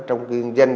trong kiên doanh